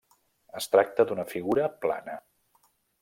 Es tracta d'una figura plana.